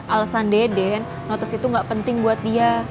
alasan deden notes itu gak penting buat dia